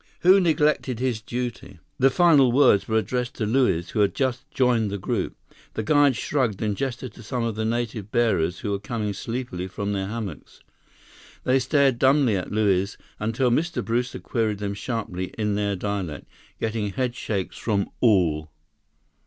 Who neglected his duty?" The final words were addressed to Luiz, who had just joined the group. The guide shrugged and gestured to some of the native bearers who were coming sleepily from their hammocks. They stared dumbly at Luiz, until Mr. Brewster queried them sharply in their dialect, getting headshakes from all.